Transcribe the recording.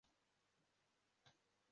yakoraga ibikorwa byinshi byingenzi